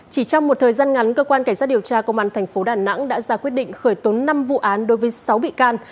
chỉ trong một thời gian ngắn cơ quan cảnh sát điều tra công an tp đà nẵng đã ra quyết định khởi tố năm vụ án đối với sáu bị can